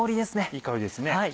いい香りですね。